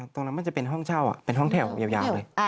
มันจะเป็นห้องเช่าเป็นห้องแถวยาวเลย